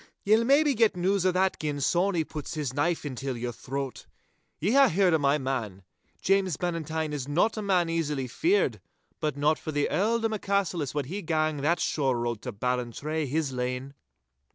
'Ye'll maybe get news o' that gin Sawny puts his knife intil your throat. Ye hae heard o' my man. James Bannatyne is not a man easily feared, but not for the Earldom o' Cassillis wad he gang that shore road to Ballantrae his lane.